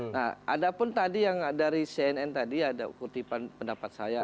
nah ada pun tadi yang dari cnn tadi ada kutipan pendapat saya